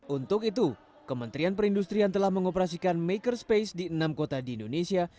untuk itu kementerian perindustrian telah mengoperasikan makerspace di enam kota di indonesia